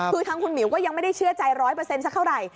คือทางคุณหมิวก็ยังไม่ได้เชื่อใจ๑๐๐สักเท่าไหร่